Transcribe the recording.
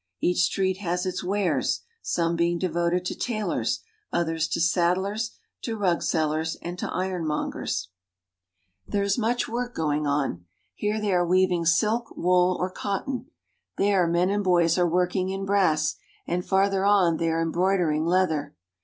Each street has its wares, some. being devoted to tailors, others to saddlers, rug sellers, and to iron mongers. matting or boards," ei nas its n iddlers, to ^^Hj 52 AFRICA There is much work going on. Here they are weaving silk, wool, or cotton ; there men and boys are working in brass ; and farther on they are embroidering leather.